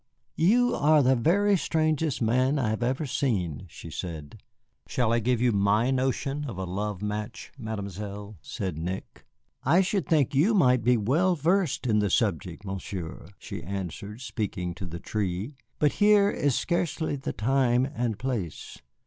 "You are the very strangest man I have ever seen," she said. "Shall I give you my notion of a love match, Mademoiselle?" said Nick. "I should think you might be well versed in the subject, Monsieur," she answered, speaking to the tree, "but here is scarcely the time and place."